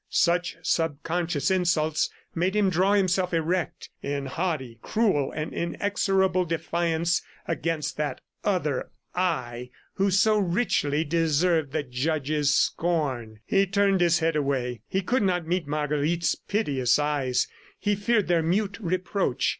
Such subconscious insults made him draw himself erect, in haughty, cruel and inexorable defiance against that other I who so richly deserved the judge's scorn. He turned his head away; he could not meet Marguerite's piteous eyes; he feared their mute reproach.